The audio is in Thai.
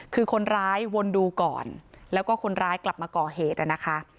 คือคนร้ายวนดูก่อนแล้วก็คนร้ายกลับมาก่อเหตุนะคะ